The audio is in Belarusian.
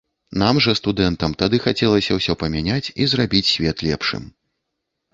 Нам жа, студэнтам, тады хацелася ўсё памяняць і зрабіць свет лепшым.